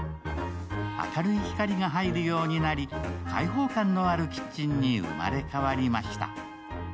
明るい光が入るようになり、開放感のあるキッチンに生まれ変わりました。